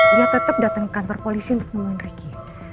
dia tetep dateng ke kantor polisi untuk ngomongin ricky